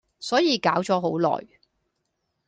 所以搞咗好耐